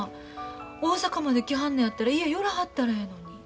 大阪まで来はんのやったら家へ寄らはったらええのに。